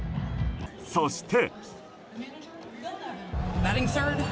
そして。